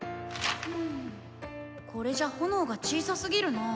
うんこれじゃ炎が小さすぎるなあ。